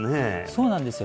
そうなんですよ